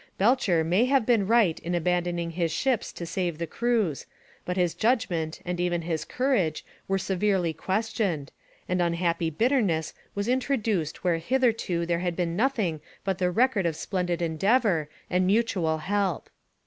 Belcher may have been right in abandoning his ships to save the crews, but his judgment and even his courage were severely questioned, and unhappy bitterness was introduced where hitherto there had been nothing but the record of splendid endeavour and mutual help.